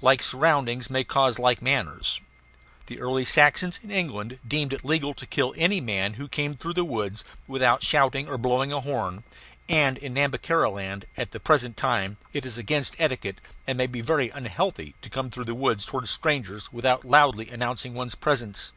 Like surroundings may cause like manners. The early Saxons in England deemed it legal to kill any man who came through the woods without shouting or blowing a horn; and in Nhambiquara land at the present time it is against etiquette, and may be very unhealthy, to come through the woods toward strangers without loudly announcing one's presence.